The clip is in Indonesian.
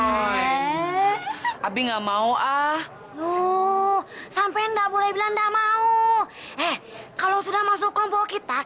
ya abi nggak mau ah tuh sampai nggak boleh bilang nggak mau eh kalau sudah masuk kelompok kita